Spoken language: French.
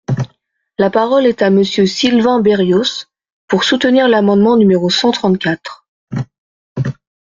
La parole est à Monsieur Sylvain Berrios, pour soutenir l’amendement numéro cent trente-quatre.